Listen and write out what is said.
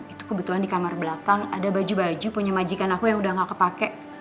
itu kebetulan di kamar belakang ada baju baju punya majikan aku yang udah gak kepake